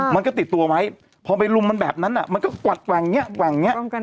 มันก็ติดตัวไว้พอไปลุมมันแบบนั้นอะมันก็กวัดแกว่งเนี่ยแกว่งเนี่ย